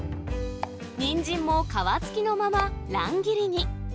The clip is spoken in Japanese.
ニンジンも皮付きのまま乱切りに。